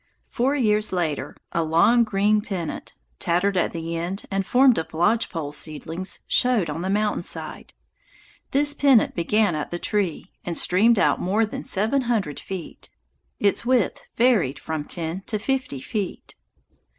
Four years later, a long green pennant, tattered at the end and formed of lodge pole seedlings, showed on the mountain side. This pennant began at the tree and streamed out more than seven hundred feet. Its width varied from ten to fifty feet.